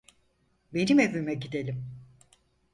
Benim evime gidelim.